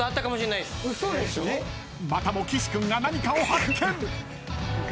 ［またも岸君が何かを発見！］